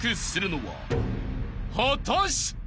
［果たして？］